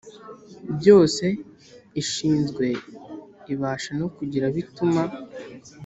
byose ishinzwe ibasha no kugira abo ituma